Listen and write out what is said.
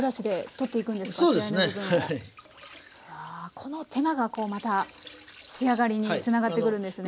この手間がこうまた仕上がりにつながってくるんですね。